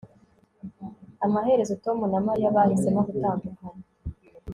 amaherezo tom na mariya bahisemo gutandukana